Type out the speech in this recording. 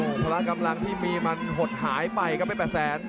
พละกำลังที่มีมันหดหายไปครับเพชรแปดแสน